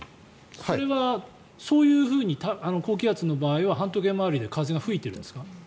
それはそういうふうに高気圧の場合は反時計回りで風は吹いているんですか？